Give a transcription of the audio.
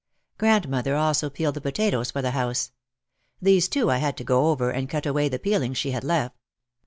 Grandmother also peeled the potatoes for the house. These, too, I had to go over, and cut away the peelings she had left.